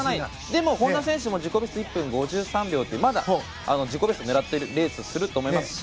でも、本多選手も自己ベスト１分５３秒で自己ベストを狙うレースをすると思いますし